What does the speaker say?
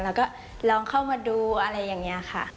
แล้วก็ลองเข้ามาดูอะไรอย่างนี้ค่ะ